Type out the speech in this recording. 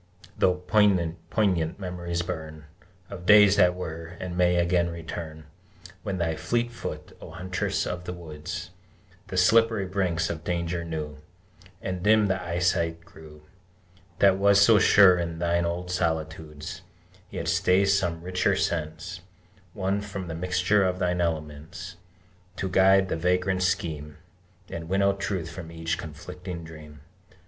Though poignant memories burn Of days that were, and may again return, When thy fleet foot, O Huntress of the Woods, The slippery brinks of danger knew, And dim the eyesight grew That was so sure in thine old solitudes, Yet stays some richer sense Won from the mixture of thine elements, To guide the vagrant scheme, And winnow truth from each conflicting dream!